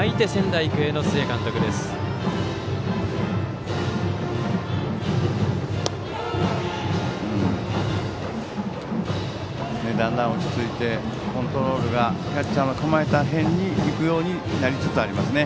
だんだん落ち着いてコントロールがキャッチャーの構えた辺にいくようになりつつありますね。